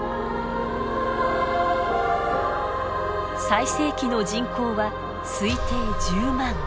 最盛期の人口は推定１０万。